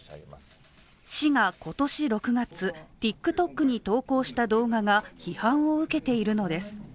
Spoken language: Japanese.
市が今年６月、ＴｉｋＴｏｋに投稿した動画が批判を受けているのです。